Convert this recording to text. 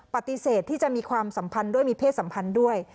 ปฏิเสธที่จะมีความสัมพันธ์ด้วยมีเพศสัมพันธ์ด้วย